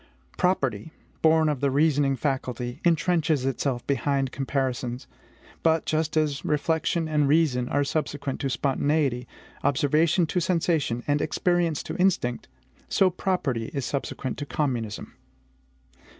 Property, born of the reasoning faculty, intrenches itself behind comparisons. But, just as reflection and reason are subsequent to spontaneity, observation to sensation, and experience to instinct, so property is subsequent to communism.